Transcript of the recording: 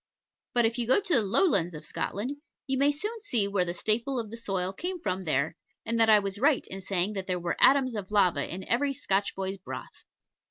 But if you go to the Lowlands of Scotland, you may soon see where the staple of the soil came from there, and that I was right in saying that there were atoms of lava in every Scotch boy's broth.